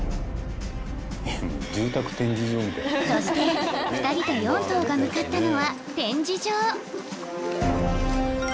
磴修靴２人と４頭が向かったのは展示場磴